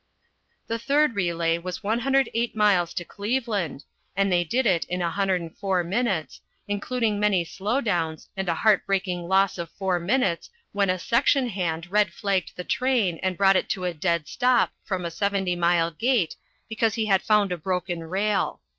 The third relay was 108 miles to Cleveland, and they did it in 104 minutes, including many slow downs and a heart breaking loss of four minutes when a section hand red flagged the train and brought it to a dead stop from a 70 mile gait because he had found a broken rail.